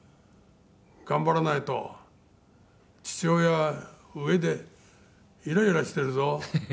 「頑張らないと父親上でイライラしているぞ」